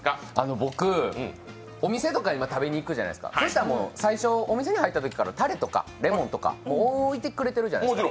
僕、お店とかに食べに行くじゃないですか、お店に入ったときからたれとかレモンとか置いてくれてるじゃないですか。